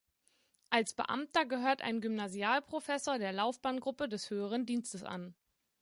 Als Beamter gehört ein Gymnasialprofessor der Laufbahngruppe des Höheren Dienstes an.